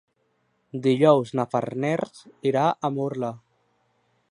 Dijous na Farners irà a Murla.